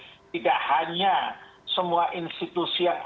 jadi memang di negara demokrasi manapun wajar kalau ada suara publik suara masyarakat sibil